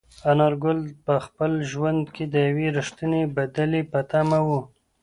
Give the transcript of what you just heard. انارګل په خپل ژوند کې د یوې رښتینې بدلې په تمه و.